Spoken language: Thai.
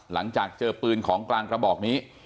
หลังจากเจอปืนของกลางกระบอกนี้